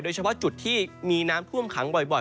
เฉพาะจุดที่มีน้ำท่วมขังบ่อย